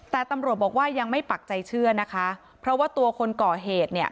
แต่ตำรวจบอกว่ายังไม่ปักใจเชื่อนะคะเพราะว่าตัวคนก่อเหตุเนี่ย